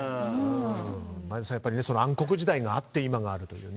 前田さん、暗黒時代があって今があるという。